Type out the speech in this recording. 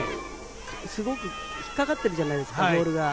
すごく引っかかっているじゃないですか、ボールが。